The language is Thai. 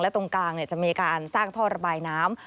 ตรงกลางจะมีการสร้างท่อระบายน้ำ